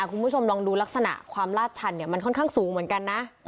คุณผู้ชมลองดูลักษณะความลาดชันเนี่ยมันค่อนข้างสูงเหมือนกันนะ